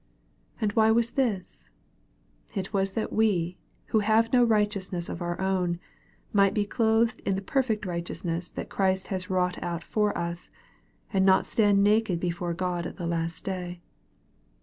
And why was this ? It was that we, who have no righteousness of our own, might be clothed in the per fect righteousness that Christ has wrought out for us, and not stand naked before God at the last day.